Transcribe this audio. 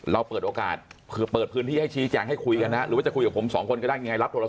เราเปิดโอกาสคือเปิดพื้นที่ให้ชี้แจงให้คุยกันนะครับ